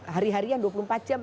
hari harian dua puluh empat jam